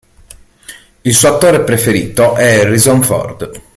Il suo attore preferito è Harrison Ford.